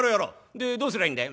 でどうすりゃいいんだい？」。